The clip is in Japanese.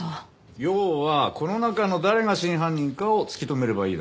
要はこの中の誰が真犯人かを突き止めればいいだけでしょ？